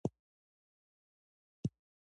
ننګرهار د افغانستان یوه طبیعي ځانګړتیا ده.